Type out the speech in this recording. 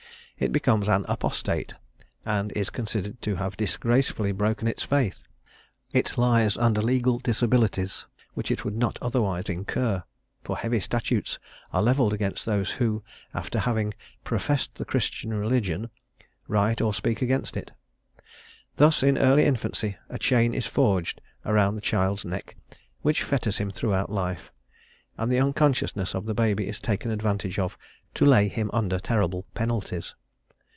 It becomes an "apostate," and is considered to have disgracefully broken its faith; it lies under legal disabilities which it would not otherwise incur, for heavy statutes are levelled against those who, after having "professed the Christian religion," write or speak against it. Thus in early infancy a chain is forged round the child's neck which fetters him throughout life, and the unconsciousness of the baby is taken advantage of to lay him under terrible penalties.